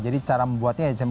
jadi cara membuatnya ya